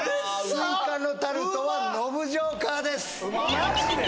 スイカのタルトはノブジョーカーですマジで？